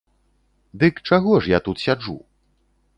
Дык чаго ж я тут сяджу?